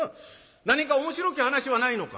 何か面白き話はないのか？」。